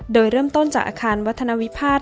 โดยเริ่มต้นจากอาคารวัฒนวิพาท